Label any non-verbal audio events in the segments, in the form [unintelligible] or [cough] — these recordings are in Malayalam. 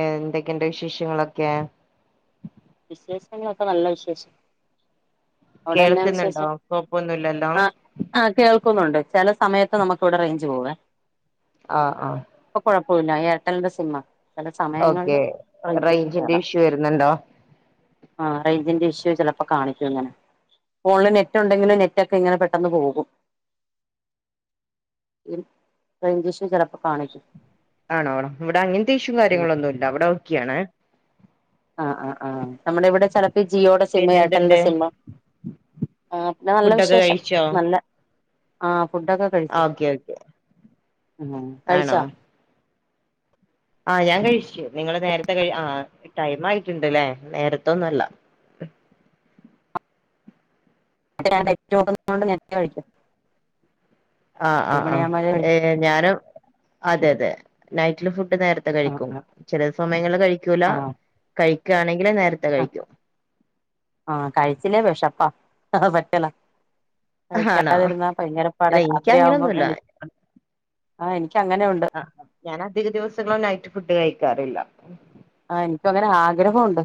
എന്തൊക്കെണ്ട് വിശേഷങ്ങളൊക്കെ വിശേഷങ്ങളൊക്കെ നല്ല വിശേഷം. അവിടെ എന്നാ കേൾക്കുന്നുണ്ടോ വിശേഷം കൊഴപ്പൊന്നുല്ലല്ലോ. ആ ആ കേൾക്കുന്നുണ്ട് ചെല സമയത്ത് നമുക്ക് ഇവിടെ റേഞ്ച് പോവെ ആ ആഹ്. ഇപ്പൊ കൊഴപ്പില്ല ഏർട്ടൽന്റെ സിമ്മ ചെല സമയങ്ങളില് റേഞ്ച് കിട്ടേല. വെര്ന്നുണ്ടോ. ആ റേഞ്ചന്റെ ഇഷ്യൂ ചിലപ്പോ കാണിക്കും ഇങ്ങനെ. ഫോണില് നെറ്റ് ഒണ്ടെങ്കിലും നെറ്റൊക്കെ ഇങ്ങനെ പെട്ടെന്ന് പോകും. റൈഞ്ച് ഇഷ്യൂ ചെലപ്പോ കാണിക്കും ആണോ ഇവിടെ അങ്ങനത്തെ ഇഷ്യവും കാര്യങ്ങളൊന്നും ഇല്ല ഇവിടെ ഓക്കയാണ്. ആ ആ ആ നമ്മുടെ ഇവിടെ ചിലപ്പോ ജിയോയുടെ സിമ്മ് പിന്നെ എയർടെലിന്റെ എന്തുണ്ട് സിമ്മ് ആ പിന്നെ നല്ല ഫുഡൊക്കെ വിശേഷം കഴിച്ചോ നല്ല ആഹ് ഫുഡൊക്കെ. കഴിച്ച് ഓക്കെ ഓക്കെ ആ കഴിച്ചാ. ആ ഞാൻ കഴിച്ചു നിങ്ങള് നേരത്തെ കഴ ആ ടൈം ആയിട്ടുണ്ട്ല്ലേ നേരത്തൊന്നുല്ല. ന്നോണ്ട് നേരത്തെ കഴിക്കും ആഹ് ഏഴ് ആഹ് ആഹ് മണിയാകുമ്പോഴേ കഴിക്കും ഏ ഞാനും അതെ അതെ നൈറ്റില് ഫുഡ് നേര് ആ കഴിക്കും ചെല സമയങ്ങളില് കഴിക്കൂല ആ ആ കഴിക്കാണെങ്കില് നേര്ത്തെ ആ കഴിക്കും. ആഹ് കഴിച്ചില്ലേ വെഷപ്പാ പറ്റല. ആണോ കഴിക്കാതിരുന്ന പൈങ്കരപ്പാട അല്ല എനിക്ക് രാത്രിയാവുമ്പോം അങ്ങനൊന്നുല്ല ആ എനിക്ക് അങ്ങനെ ഒണ്ട്. ഞാൻ അധിക ദിവസങ്ങളും നൈറ്റ് ഫുഡ് കഴിക്കാറില്ല. ആ എനിക്കുംഅങ്ങനെ ആഗ്രഹമുണ്ട്.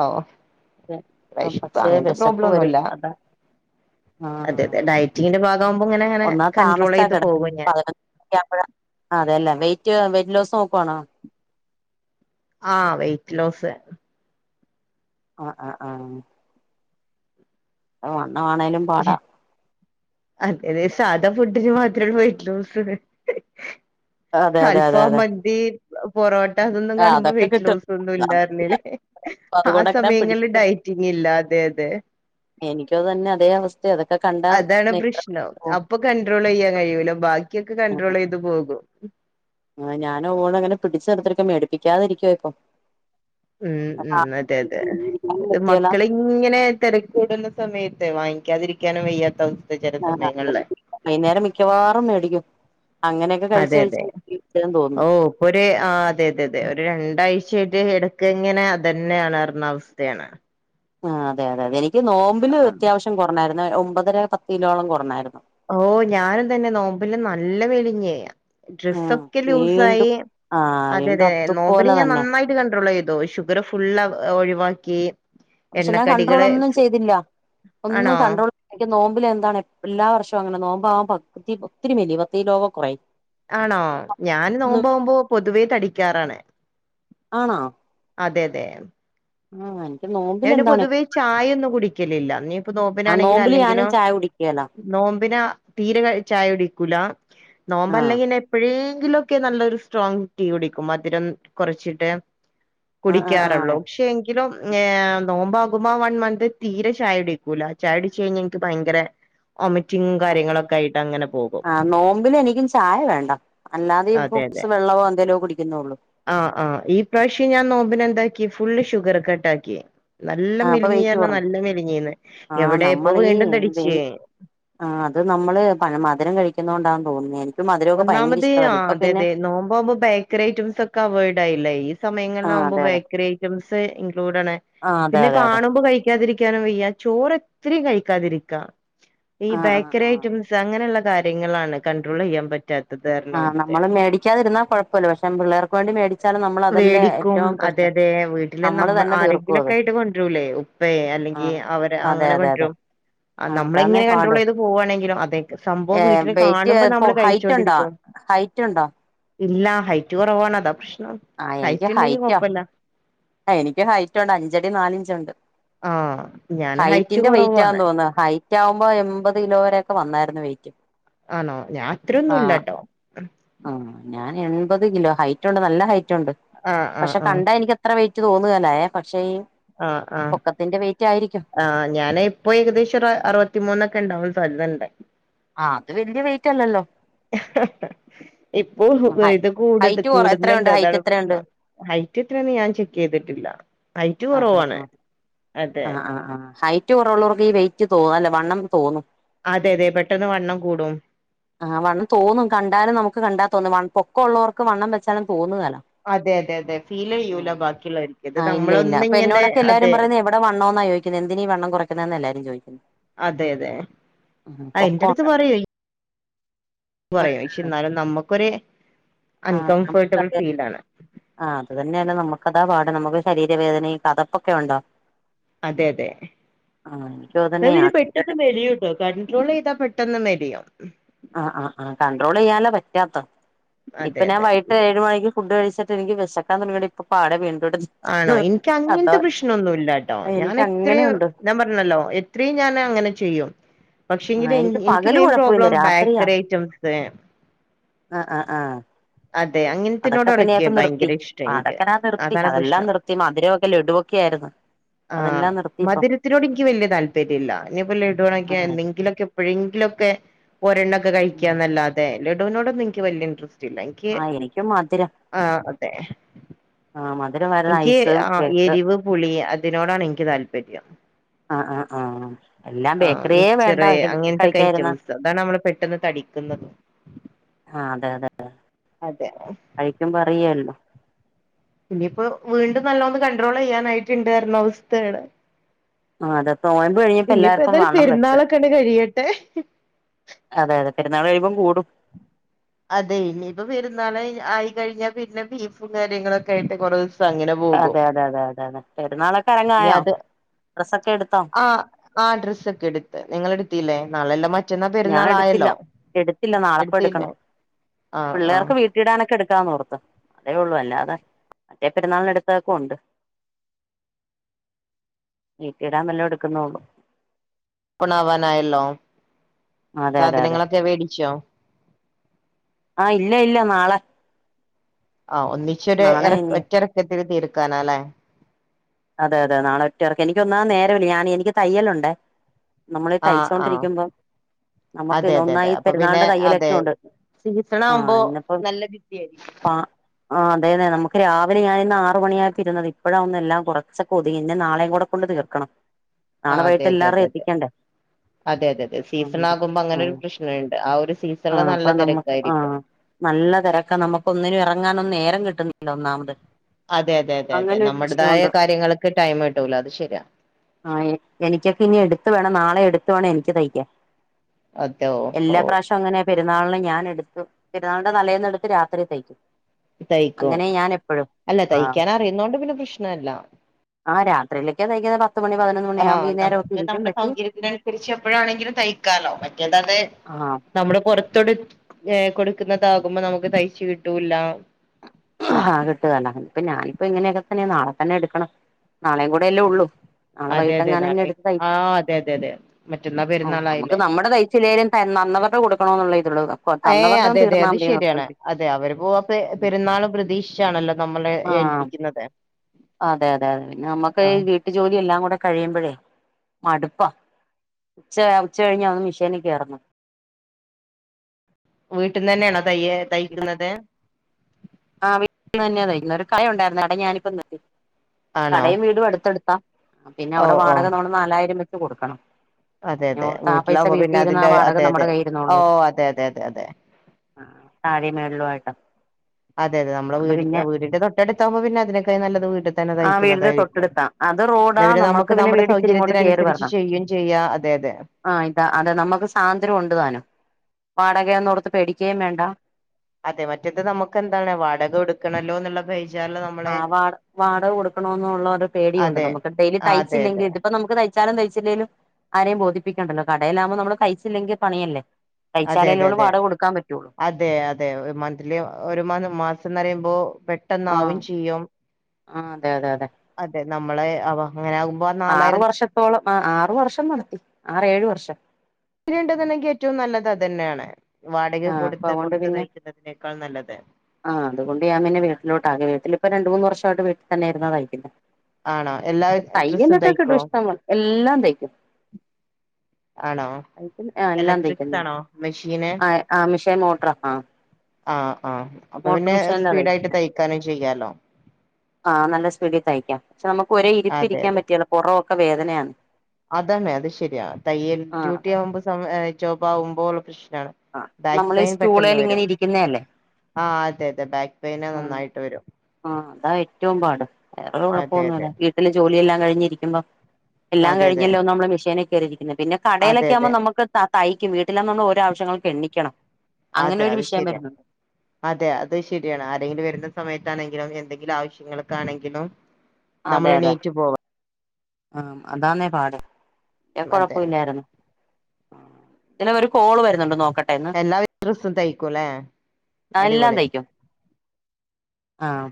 ഓഹ് വെശപ്പ് പക്ഷെ അങ്ങനത്തെ വെശപ്പ് പ്രോബ്ലം വെരും ഒന്നുല്ല അതാ. അതെ ആഹ് അതെ ഡയറ്റിങ്ങിന്റെ ഭാഗമാകുമ്പോ ഇങ്ങനെ അങ്ങനെ ഒന്നാമത് കൺട്രോൾ താമസിച്ചാ ചെയ്ത് കെടക്കണ പോകും ഞാൻ പതിനൊ അതെ അല്ലേ വെയിറ്റ് വെയിറ്റ് ലോസ് നോക്കുവാണോ. ആഹ് വെയ്റ്റ്ലോസ്. ആ ആ ആഹ്. അ വണ്ണവാണേലും പാടാ അതെ അതെ സാധാ ഫുഡിന് മാത്രേ പോയിട്ടുള്ളു അതെ അതെ അതെ അൽഫാം അതെ മന്തി പൊറോട്ട അതൊന്നും ആഹ് കാണുമ്പോ അതൊക്കെ വെയിറ്റ് കിട്ടും ലോസ് ഒന്നും ഇല്ലാര്ന്നല്ലേ ആ അതുകൊണ്ടൊക്കെ ഞാൻ സമയങ്ങളിൽ പിടിച്ച് ഡയറ്റിങ് ഇല്ല അതെ അതെ എനിക്കും അതന്നെ അതേ അവസ്ഥ അതൊക്കെ കൺ അതാണ് പ്രശ്നം അപ്പൊ കണ്ട്രോളെയ്യാൻ കഴിയൂല്ല ബാക്കിയൊക്കെ കണ്ട്രോളെയ്ത് പോകും ആ ഞാൻ ഓളതങ്ങനെ പിടിച്ചെർത്തിടുക്കെ മേടിപ്പിക്കാതിരിക്കോ ഇപ്പൊ ഉം ഉം അതെ അതെ പറ്റിയല്ല മക്കളെ ഇങ്ങനെ തെരക്കൂടുന്ന സമയത്ത് വാങ്ങിക്കാതിരിക്കാനും വയ്യാത്ത അവസ് ആഹ് വൈന്നേരം മിക്കവാറും മേടിക്കും അങ്ങനെയക്ക കഴിച്ച് കഴിച്ച് ഇരിക്കാൻ തോന്നും ഒര് ആ അതെ അതെ അതെ ഒരു രണ്ടാഴ്ചയുടെ എടക്കിങ്ങന അതെന്നാണ് പർഞ്ഞ അവസ്ഥയാണ് ആ അതെ അതെ അതെ എനിക്ക് നോമ്പില് ആം. അത്യാവശ്യം കൊറഞ്ഞായിരുന്നു ഒമ്പതര പത്ത് കിലോളം കുറഞ്ഞായിര്ന്ന് ഓഹ് ഞാനും തന്നെ നോമ്പിലും നല്ല വെലിഞ്ഞ് ആഹ് ഡ്രസ്സൊക്കെ വീണ്ടും ലൂസായി ആഹ് അതെ വീണ്ടും തെ അതുപോലെ നോമ്പ്ന് ഞാൻ തന്നെ നന്നായി ഇജ്ജ് കണ്ട്രോൾ ചെയ്തോ ഷുഗർ ഫുള്ള ഒഴിവാക്കി പക്ഷെ ഞാൻ കൺണ്ട്രോൾ എണ്ണക്കടികള് ഒന്നും ചെയ്തില്ല ഒന്നും ആണോ കൺണ്ട്രോൾ എനിക്ക് നോമ്പില് എന്താണ് എല്ലാ വർഷവും അങ്ങനെ നോമ്പ ആ പകതി ഒത്തിരി മെലിയും പത്ത് കിലോ കുറയും ആണോ ഞാന് നോമ്പാവുമ്പോ പൊതുവേ തടിക്കാറാണ് ആണോ അതെ അതെ ആഹ് എനിക്ക് നോ ഞാൻ പിന്നെ പൊതുവേ ചായ ഒന്നും കുടിക്കലില്ല ഇനീ ഇപ്പൊ ആഹ് നോമ്പിനാണെങ്കിലും നോമ്പില് അല്ലെ ഞാനും ചായ കുടിക്കേല്ല നോമ്പിന തീരെ ചായ കുടിക്കൂല്ല നോമ്പ ആഹ് അല്ലെങ്കി പിന്നെ എപ്പോഴേങ്കിലൊക്കെ നല്ലൊരു സ്ട്രോങ് ടീ കുടിക്കും മധുരം കൊറച്ചിട്ടെ ആഹ് കുടിക്ക്യാറുള്ളൂ ആഹ് പക്ഷെ എങ്കിലും [unintelligible] ആഹ് നോമ്പാവുമ്പോ മാ വൺ മന്ത് തീരെ ചായ ഉടിക്കൂല ചായ കുടിച്ചു കഴിഞ്ഞാൽ ഇൻക്ക് ഭയങ്കര ഒമിറ്റിംഗ് ആഹ് കാര്യങ്ങളൊക്ക ആയിട്ടങ്ങനെ ആഹ് നോമ്പില് എനിക്കും ചായ വേണ്ട അല്ലാതെ ഈ അതെ അതെ ഫ്രൂട്ട്സ് വെള്ളമോ എന്തേലോക്കെ കുടിക്കുന്നേ ഉള്ളൂ ആഹ് ആഹ് ഈ പ്രാവശ്യം ഞാൻ നോമ്പിന് എന്താക്കി ഫുള്ള് ഷുഗർ കട്ട ആക്കി നല്ല ആഹ് അപ്പൊ മലിഞ്ഞി വെയിറ്റ് അറ്ഞ്ഞ കുറഞ്ഞു നല്ല മെലിഞ്ഞീന്ന് ആഹ് എവിടെ ഇപ്പൊ നമ്മളീ വീണ്ടും വെയി തടിച്ച്യേ ആഹ് അത് നമ്മള് പന മധുരം കഴിക്കുന്ന കൊണ്ടാെന്ന് തോന്നിയേനി ഒന്നാമത് ആഹ് അതെ അതെ നോമ്പ് ആവുമ്പൊ ബേക്കറി ഐറ്റംസ് ഒക്കെ അവയ്ഡ് ആയില്ലേ ഈ ആഹ് സമയങ്ങളിലാകുമ്പം അതെ അതെ ബേക്കറി ഐറ്റംസ് ഇൻക്ലൂഡ് ആണ് ആഹ് അതെ പിന്നെ അതെ അതെ കാണുമ്പോ കഴി കഴിക്കാതിരിക്കാനും വയ്യ ചോറ് എത്ത്രിം കഴിക്കാതിരിക്ക ഈ ബേ ആഹ് ആഹ് ബേക്കറി ആഹ് ഐറ്റംസ് അങ്ങനെയുള്ള കാര്യങ്ങളാണ് കൺണ്ട്രോള് ചെയ്യാൻ പ പറ്റാത്തത് ആഹ് നമ്മള് മേടിക്കാതിരുന്നാ കൊഴപ്പല്ല പക്ഷെ പിള്ളേർക്ക് വേണ്ടി മേടിച്ചാല് നമ്മള് അതല്ലേ വേടിക്കും ഏറ്റവും പ്രശ് അതെ അതെ വീട്ടില് നമ്മൾ ആരെങ്കിലും ഒക്കെ ആയിട്ട് കൊണ്ട്‌രൂലെ ഉപ്പേ അല്ലെങ്കി ആഹ് അവര് അതെ അങ്ങനെ അതെ അതെ കൊണ്ടുരും അഹ് ആഹ് അതാന്നേ നമ്മളെങ്ങനെ കണ്ട്രോൾ പാട് ചെയ്ത് പോവാണെങ്കിലും അതെ സംഭവം വീട്ടില് കാണുമ്പോ നമ്മള് കഴിച്ചു റ്റ് ഉണ്ടോ ഹൈറ്റ് ഉണ്ടോ ഇല്ല ഹൈറ്റ് കുറവാണ് അതാ പ്രശ്നം എനിക്ക് ഹൈറ്റ് ഇണ്ടെങ്കി ഹൈറ്റാ കൊഴപ്പല്ല ആഹ് എനിക്ക് ഹൈറ്റ് ഉണ്ട് അഞ്ചടി നാലിഞ്ചുണ്ട് ആഹ് ഞാൻ ഹൈറ്റ് ഹൈറ്റിന്റെ കുറവാണ് വെയിറ്റാന്ന് തോന്ന ഹൈ റ്റാകുമ്പോ എൺപത് കിലോ വരെയൊക്കെ വന്നായിരുന്നു വെയ്റ്റ് ആണോ ഞാൻ അത്രൊന്നും ഇല്ലട്ടോ ആഹ് ഞാൻ എൺപത് കിലോ ഹൈറ്റ് ഉണ്ട് നല്ല ഹൈറ്റ് ഉണ്ട് ആഹ് ആഹ് പക്ഷെ ആഹ് കണ്ട എനിക്ക് അത്ര വെയിറ്റ് തോന്നുകേല്ല ഏഹ് പക്ഷേ ഈ ആഹ് ആഹ് അതിന്റെ വെയിറ്റ് ആയിരിക്കും ആഹ് ഞാന് ഇപ്പോ ഏകദേശം ഒരു അറുപത്തിമൂന്നൊക്കെ ഉണ്ടാവാൻ സാധ്യതണ്ട് ആഹ് അത് വല്ല്യ വെയിറ്റ് അല്ലല്ലോ ഇപ്പൊ ഹൈ ഇത് കൂട്ത് ഹൈറ്റ് കൊറ എത്രയുണ്ട് കൂടുന്നുണ്ട് ഹൈറ്റ് അതാണ് എത്രയുണ്ട് പ്രശ്നം ഹൈറ്റ് എത്രയെന്ന് ഞാൻ ചെക്ക് ചെയ്തിട്ടില്ല ഹൈറ്റ് ആഹ് കുറവാണ് ആഹ് അതെ ആഹ് ആഹ് ഹൈ ഹൈറ്റ് കുറവുള്ളവർക്ക് ഈ വെയിറ്റ് തോ അല്ല വണ്ണം തോന്നും അതെ അതെ പെട്ടെന്ന് വണ്ണം കൂടും ആഹ് വണ്ണം തോന്നും കണ്ടാല് നമുക്ക് കണ്ടാ തോന്നും വൺ പൊക്ക ഉള്ളവർക്ക് വണ്ണം വെച്ചാലും തോന്നുകേല. അതെ അതെ അതെ ഫീലെ യ്യൂല ഉം ബാക്കിള്ളരി ആഹ് ഇല്ല ഇല്ല അപ്പൊ എന്നോടൊക്കെല്ലാരും പറയുന്നെ എവിടെ വണ്ണോന്നാ ചോയ്ക്കുന്നെ എന്തിനീ വണ്ണം കൊറയ്ക്കുന്നെന്ന് എല്ലാരും ചോയിക്കുന്ന അതെ അതെ ആ എന്റെടുത്ത് പൊക്കൊക്കണ്ട് പറയും പറയും പക്ഷെ ന്നാലും നമ്മക്കൊര് ആഹ് [unintelligible] ആഹ് അത് തന്നെയാണ് നമുക്കതാ പാട് നമുക്ക് ശരീരവേദനേം കഥപ്പൊക്കെ ഉണ്ടോ? അതെ അതെ ആഹ് എനിക്കും അത് [unintelligible] തന്നെയാണ് പെട്ടു ത് മെലിയുട്ടോ കണ്ട്രോളെയ്താ പെട്ടെന്ന് മെലിയും. ആഹ് ആഹ് ആഹ് കണ്ട്രോ ളെയ്യാൻല പറ്റാത്ത ഇപ്പ അതെ ഞാൻ അതെ വൈകിട്ട് ഏഴ് മണിക്ക് ഫുഡ് കഴിച്ചിട്ടെനിക്ക് വെശക്കാൻ തുടങ്ങിട്ട് പ്പ പാടെ [unintelligible] ആണോ അതാ എനിക്കങ്ങൻത്തെ പ്രശ്നൊന്നുല്ലാട്ടോ എനിക്ക് ഞാനെത്രെം അങ്ങനെയുണ്ട് ഞാം പറഞ്ഞല്ലോ എ ത്രെം ഞാനങ്ങനെ ചെയ്യും. ആഹ് പക്ഷെങ്കില് ൻ എനിക്ക് ഇൻക്ക് പകല് മെയിൻ കുഴപ്പമില്ല പ്രോബ്ലം രാത്രിയാ ബേക്കറി ഐറ്റംസ് അഹ് ആഹ് ആഹ് അതെ അതൊക്കെ പിന്നെ ഞാൻ അങ്ങനത്തിനോടാണൊക്കെ പ്പം നിർത്തി ഭയങ്കര ഇഷ്ടം എനിക്ക് അതൊക്കെ നാ നിർത്തി അതാണ് അതെല്ലാം പ്രശ്നം നിർത്തി മധുരൊക്കെ ലഡു കേരുന്നു ആഹ് മദ് രത്തിനോട് ൻക്കി വല്യ താല്പര്യല്ല ഇനിപ്പോ ലഡു ആ വാങ്ങിക്കാനെന്നെങ്കിലൊക്കെ എപ്പഴെങ്കിലൊക്കെ ഒരെണ്ണൊക്കെ കഴിക്കാന്നല്ലാതെ ലഡൂനോടൊന്നും ൻക്കി വല്യ ൻട്രസ്റ്റ്ല്ലായ് കെ ആ എനിക്കും മധുരം ആഹ് അതെ ആ മധുരമായിരുന്നു നിക്ക് ഐസ് ആഹ് കേക്ക് എരിവ്, പുളി അതിനോടാണെനിക്ക് താല്പര്യം. ആ ആ ആ എല്ലാം ആഹ് ബേക്കറിയേ വേണ്ട മിച്ചറ് അങ്ങനത്തെക്കെ കഴിക്കായിരുന്ന ഐറ്റംസ് അതാണ് നമ്മള് പെട്ടെന്ന് തടി ക്കുന്നത്. ആഹ് അതെ അതെ [unintelligible] ഇനിപ്പോ വീണ്ടും നല്ലോന്ന് കണ്ട്രോളെയ്യാനായിട്ടുണ്ട് അർന്നവസ്ഥയാണ്. ആ അതെ നോയമ്പ് കഴിഞ്ഞപ്പോ എല്ലാർക്കും ഇനിപ്പേതാലും വണ്ണം വെച്ച് പെരുന്നാളൊക്കണ്ട് കഴിയട്ടെ. അതെ അതെ പെരുന്നാള്കഴിയുമ്പം കൂടും. അതെ ഇനിയിപ്പൊ പെരുന്നാള് കയി ആയികഴിഞ്ഞാ പിന്നെ ബീഫും കാര്യങ്ങളൊക്കായിട്ട് കൊറെസ് അതെ അതെ അതെ അതെ അതെ പെരുന്നാളൊക്കെ ഇനി രങ്ങായോ? അത് ഡ്രസ്സൊക്കെ എടുത്തോ? ആഹ് ഡ്രസ്സൊക്കെടുത്ത്. നിങ്ങളെടുത്തില്ലേ? നാളെയല്ല മ ഞാ എടുത്തില്ല എടുത്തില്ല എടുത്തില്ലേ നാളെപ്പോയെടുക്കണം. ആ ആ പിള്ളേർക്ക് വീ ട്ടിടാനൊക്കെ എടുക്കാന്നോർത്ത് അതേ ഉള്ളൂ അല്ലാതെ മറ്റേ പെരുന്നാൾനെടുത്തൊക്കെ ഉണ്ട്. വീട്ടിടാൻ വല്ലൊ എടുക്കുന്നോള്ളു ക്കൊണാവാനായല്ലോ അതെ അതെ അതെ സാധനങ്ങളൊക്കെ വേടിച്ചോ? ആഹ് ഇല്ല ഇല്ല നാള ആഹ് ഒന്നിച്ചൊരു നാളെ എറ ഇനി ഒറ്റെറക്കത്തില് തീർക്കാനാലേ. അതെ അതെ നാളെ ഒറ്റ എറക്കം എനിക്ക് ഒന്നാ നേരമില്ല ഞാന് എനിക്ക് തയ്യലുണ്ട്. നമ്മളീ ആഹ് ആഹ് തയ്ച്ചോണ്ടിരിക്കുമ്പോ നമുക്ക് അതെ നൊ ഒന്നായി പെരുന്നാൾന്റെ തയ്യലൊക്കെ ഉണ്ട്. ആ സീസണാവുമ്പോ നല്ല ബിസിയാരിക്കും. ആഹ് അതെന്നെ നമുക്ക് രാവിലെ ഞാനിന്നാറ് മണി ആയപ്പിരുന്നത് ഇപ്പഴാ ഒന്നെ ല്ലാം കുറ ച്ചക്കൊതിങ്ങി ഇന്നു നാളെയും കൂടെ കൊണ്ട് തീർക്കണം. നാളെ ആഹ് അതെ അതെ അതെ വൈകിട്ടെല്ലാറെ അതെ പ്പിക്കണ്ടേ അതെ അതെ അതെ സീസണാ കുമ്പോ അങ്ങനെ ഒരു പ്രശ്നണ്ട് ആ ഒരു സീസൺല് നല്ല തെരക്കായിരിക്കും. നല്ലാ തെരക്കാ നമ്മക്കൊന്നിനും എറങ്ങാനൊന്നേരം കിട്ടുന്നില്ല ഒന്നാമത് അതെ അതെ അതെ അതെ അങ്ങനെ ഒരു നമ്മടേതായ വിഷയമുണ്ട് കാര്യങ്ങള്ക്ക് ടൈമ് കിട്ടൂല അത് ശെരിയാ. ആഹ് എ എനിക്കൊക്കെ ഇനി എട്ത്ത് വേണം നാളെ എട്ത്ത് വേണം എനിക്ക് തയ്ക്കാൻ. അതോ ഓ എല്ലാ ഓ പ്രവശ്യം അങ്ങനെ പെരുന്നാളിന് ഞാൻ എട്ക്കും പെരുന്നാളിന്റെ തലേന്ന് എട്ത്ത് രാത്രി തെയ്യ്ക്കും തെയ്യക്കും അല്ലാ ആ തെയ്യക്കാൻ അറിന്നേണ്ട് പിന്നെ പ്രശ്നം ഇല്ലാ ആഹ് രാത്രിയിലേക്ക്യാ തെയ് ക പത്ത് മണി പതിനൊന്ന് മണിയാകുമ്പോ ആഹ് ഈ നേരമൊക്കെ നമ്മക്ക് ഇരിക്കും നമ്മടെ വെട്ടി സൗകര്യത്തിനാസരിച്ച് എപ്പോഴാണെങ്കിലും തെയ്ക്കാലോ മറ്റേത് അത് ആ നമ്മള് പൊറത്തോണ്ട് യെ കൊടുക്കുന്നതാക്മ്പോ നമ്മക്ക് തെയ്യ്ച്ച് കിട്ടൂല്ലാ ആഹ് കിട്ടു വെല്ലാ ഇപ്പാ ഞാനിപ്പേ ഇങ്ങനെയൊക്കെ തന്നെയാ നാളെ തന്നെ എട്ക്കണം നാളെ കൂടെയല്ലേ ഒള്ളൂ നളെ അതെ വൈകിട്ട് അതെ എങ്ങാനും എന്നെ നാളെ എട്ത്ത് തെയ് ആഹ് അതെ അതെ അതെ മറ്റന്നാ നമ്മക്ക് പെരുന്നാളായില്ലേ നമ്മടെ തെ ചില്ലേലും തന്നവരടെ കൊട്ക്കാണോ എന്നേ ഒള്ളേ ഇതേള്ളു തന്നവരുടെ ഒന്ന് തീർന്നാ മതി എന്ന് പറ ക്ക്യാണ് അതെ അവര് പോവാ പെര് പെരുന്നാള് പ്രതീ ച്ചാ ആണല്ലോ നമ്മളേ ആഹ് അതെ അതെ അതെ പിന്നെ നമ്മക്കെ ആഹ് വി ട്ട് ജോലിയെല്ലാം കൂടെ കയിമ്പോഴേ മട്പ്പാ ഉച്ച ഉച്ചാ കയിഞ്ഞാ ഒന്ന് മിഷനി കേറണം വീട്ടിന്ന് തന്നെയാണോ തെ തെയ്ക്ക്ന്നത് ആഹ് വീട്ട് തന്നെയാ തെയ്യക്കന്നേ ഒര് കട ഒണ്ടായിരുന്ന് കട ഞാനി ഇപ്പം നിർ ആണോ കടയും വീടും അട്ത്താട്ത്താ പിന്നെ അവടെ ഓഹ് ഓഹ് വാടകാ നമ്മള് നാലായിരം വെച്ച് കൊട്ക്കാണം അതെ ഞാൻ അതെ ഓർത്ത് ആഹ് പൈസ വീട്ടിലാവുമ്പോ വീട്ടി പിന്നെ ഇര്ന്ന അതിന്റെ ആഹ് വാടകാ അതെ നമ്മടെ അതെ കയ്യിര്ന്നോള്ളൂ ഓഹ് അതെ അതെ അതെ അതെ ആഹ് താഴെയും മേല്ലുമായിട്ട് അതെ അതെ നമ്മളെ വീട് വീടിന്റെ തൊട്ടട്ത്താമ്പോ പിന്നെ അതിനൊക്കിയി നല്ലത് വീട്ടി തന്നെ ആ തെയ്ക്കു വീടിന്റെ ന്നതായിരിക്കും തൊട്ടടുത്താ അത് എന്നാ റോഡാ പിന്നെ നമ്മുക്ക് നമ്മക്ക് നമ്മടെ വീട് ഇച്ചിരി ഇങ്ങോട്ട് സൗകര്യത്തിന് അന്സരിച്ച് ചെയ്യോം ചെയ്യാം അതെ അതെ ആഹ് ഇതാ അതെ നമ്മക്ക് സ്വാത്രന്ത്യം ഒണ്ട് താനും വാടകയൊന്ന് ഓർത്ത് പേടിക്ക്യം വേണ്ടാ അതെ മറ്റത് നമ്മക്ക് എന്താണ് വാടക കൊട്ക്കണല്ലോ എന്നുള്ളാ പേ ആഹ് വാട വാടാകൊടുക്കണോന്നുള്ള ഒര് പേടിയോണ്ട് അതെ നമ്മക്ക് എന്തേലും ആ അതെ തെയ്ച്ചില്ലെങ്കി അതെ ഇത് ഇപ്പേ നമ്മക്ക് തെ തയ്ചാലും തെയ്ച്ചില്ലലും ആരേയും ബോധിപ്പിക്ക്യാണ്ടല്ലോ കടേലാമ്പോ നമ്മള് തെയ്ച്ചില്ലെങ്കി പണിയല്ലേ അതെ തയ്ച്ചാലല്ലേ അതെ ഉള്ളൂ അതെ അ വാടക കൊടുക്കാൻ പറ്റുള്ളൂ അതെ അതെ ഒര് മന്ത്ലി ഒര് മാസം എന്ന് അറയ്മ്പോ പെട്ടന്ന് ആവും ആഹ് ചെയ്യും ആഹ് അതെ അതെ അതെ നമ്മളെ അവ അങ്ങനെ ആക്മ്പോ ആറ് വർഷത്തോളം ആഹ് ആറ് വർഷം നടത്തി ആറേ ഏഴ് വർഷം ണെങ്കിൽ ഏറ്റോം നല്ലത് അത് തന്നെയാണ് വാടകെ ആഹ് അപ്പൊ കൊട്ത്ത് അതുകൊണ്ട് പൊറത്ത് പിന്നെ തെയ്ക്കുന്നതിനേക്കാള് നല്ലത് ആഹ് അത് കൊണ്ട് ഞാൻ വീട്ടിലോട്ട്കെ വീട്ടിപ്പോ രണ്ട് മൂന്ന് വർഷായിട്ട് വീട്ടി തന്നേ ഇര്ന്നാ തെയ്യ്ക്ന്നേ ആണോ എല്ലാ ഡ്രസ്സും തെയ്യലോക്കെ കിട്ടും തയ്ക്കോ ഇഷ്ടപോലെ എല്ലാം തെയ്ക്കും ആഹ് എല്ലാം തെയ്ക്കും ആഹ് മെഷ്ന് ആഹ് ആഹ് മിഷൻ മോട്ടറാ ആഹ് ആഹ് ആഹ് അപ്പൊ മോട്ടർ പിന്നെ മിഷീനിലാ തയ് സ്പീഡായിട്ട് തെയ്യാക്കാനും ചെയ്യാല്ലോ ആഹ് നല്ലാ സ്പീഡി തെയ്ക്കാം പശേ നമ്മക്ക് ഒരേ ഇരിപ്പ് അതെ ഇരിക്കാൻ പറ്റില്ല പൊറക്കെ വേദനാണ് അതാണേ അത് ശെരിയാ തെയ്യൽ അതെ ഡ്യൂട്ടി ആവ്മ്പോ ജോബ് ആകുമ്പോ ഉള്ള പ്രശ്നാണ് ആഹ് ബാക്ക് നമ്മള് ഈ പെയിൻ സ്റ്റുളെ പെട്ടെന്ന് ഇങ്ങനെ വരും ഇരിക്ക്ന്നേ അല്ലേ ആഹ് അതെ അതെ ബാക്ക് പെയിനാ നന്നായിട്ട് വെരും ആഹ് അതാ ഏറ്റോം പാട് വേറെ അതെ കൊയപ്പൊന്നു അതെ ഇല്ല വീട്ടില് ജോലിയെല്ലാം കയിഞ്ഞിരിക്ക്മ്പോ എല്ലാം അതെ അതെ കയിഞ്ഞല്ലോ നമ്മള് മിശനി കെറി ഇരിക്ക്ന്നേ പിന്നെ കടേല് ഒകേ ക് ആവ്മ്പോ അതെ അതെ നമ്മക്ക് താ തെയ്ക്കും വീട്ടിലാന്നാ ഓരോ ആവശ്യങ്ങക്ക് എണ്ണിക്കണം അങ്ങനെ അതെ ഒര് അത് വിഷയം ശരിയാ വെര്ന്നോണ്ട് അതെ അത് ശെരിയാണ് ആരെങ്കിലും വെരുന്ന സമയത്താണെങ്കിലും എന്തെങ്കിലും ആവശ്യങ്ങൾ ആണെങ്കിലും അതെ അതെ ആഹ് അതാന്നേ പാട് യെ അതെ കൊഴപ്പാല്ലാര്ന്ന് ആഹ് ഒര് കോള് വെര്ന്നോണ്ട് നോക്ക എല്ലാ വിട്രാസും തയ്ക്കൂലെ എല്ലാം അടിപൊളി തയ്ക്കും ആഹ്